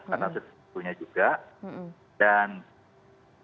dan kalau saya tanya dokter dokter yang di sini